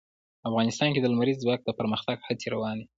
افغانستان کې د لمریز ځواک د پرمختګ هڅې روانې دي.